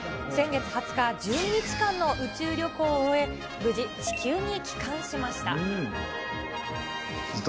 先月２０日、１２日間の宇宙旅行を終え、無事、地球に帰還しました。